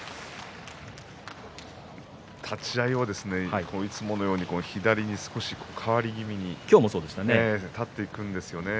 立ち合いはいつものように左に少し変わり気味に立っていくんですよね。